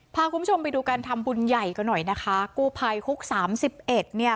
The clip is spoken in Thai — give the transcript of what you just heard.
พาคุณผู้ชมไปดูการทำบุญใหญ่กันหน่อยนะคะกู้ภัยฮุกสามสิบเอ็ดเนี่ย